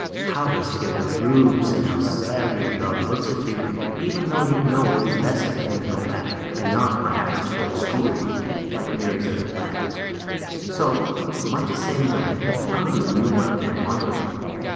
How his tail droops, and how sadly your dog looks at you, even though you know it is best for him to go back, and not, perhaps, go to school with you, like Mary's little lamb. So, in much the same way, Umboo knew what the men wanted of him.